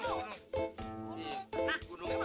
nah gunungnya mana gunungnya